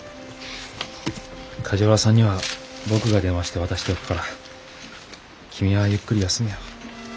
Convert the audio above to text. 梶原さんには僕が電話して渡しておくから君はゆっくり休めよ。